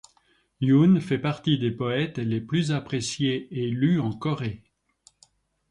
Yun fait partie des poètes les plus appréciés et lus en Corée.